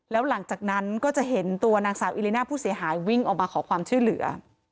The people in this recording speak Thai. แล้วหลังจากนั้นก็จะเห็นตัวนางสาวอิลิน่าผู้เสียหายวิ่งออกมาขอความช่วยเหลือ